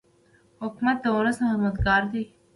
حکومت د ولس خدمتګار دی.